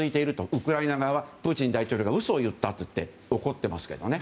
ウクライナ側はプーチン大統領が嘘を言ったと怒っていますけど。